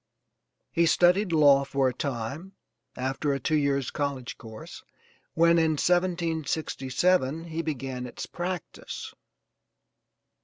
He studied law for a time, after a two years' college course, when, in 1767 he began its practice.